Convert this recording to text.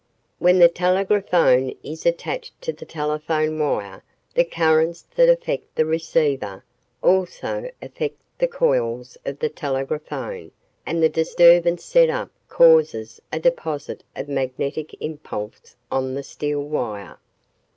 "When the telegraphone is attached to the telephone wire, the currents that affect the receiver also affect the coils of the telegraphone and the disturbance set up causes a deposit of magnetic impulse on the steel wire.